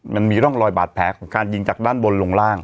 มันมีร่องรอยบาดแผลของการยิงจากด้านบนลงล่าง